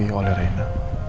diketahui oleh rena